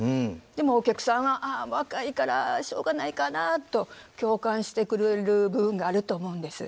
でもお客さんは「ああ若いからしょうがないかな」と共感してくれる部分があると思うんです。